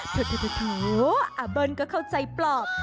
โถอาเบิ้ลก็เข้าใจปลอบ